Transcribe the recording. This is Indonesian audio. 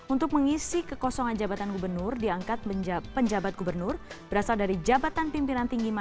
untuk mengisi kekosongan jabatan gubernur diangkat penjabat gubernur berasal dari jabatan pimpinan tinggi